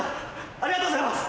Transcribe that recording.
ありがとうございます！